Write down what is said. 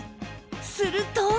すると